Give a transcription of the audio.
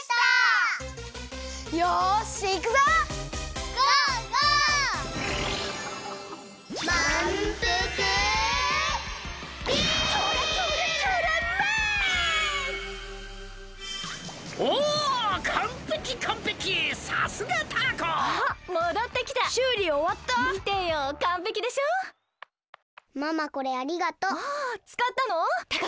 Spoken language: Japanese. ああつかったの？